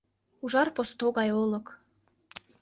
Ужар посто гай олык.